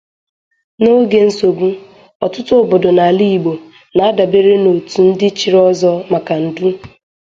N'oge nsogbu, ọtụtụ obodo na-ala Igbo na-adabere na Otu ndi chiri Ozo maka ndu.